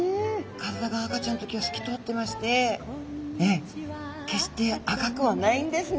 体が赤ちゃんの時はすき通ってまして決して赤くはないんですね